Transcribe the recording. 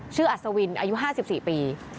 ชื่ออัศวินอายุ๕๔ปี